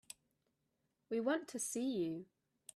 We want to see you.